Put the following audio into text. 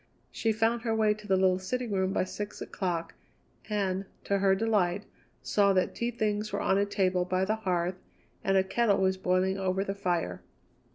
She found her way to the little sitting room by six o'clock, and, to her delight, saw that tea things were on a table by the hearth and a kettle was boiling over the fire.